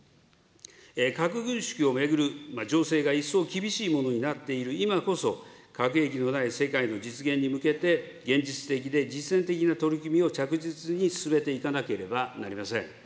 核軍縮を巡る情勢が一層厳しいものになっている今こそ、核兵器のない世界の実現に向けて、現実的で実践的な取り組みを着実に進めていかなければなりません。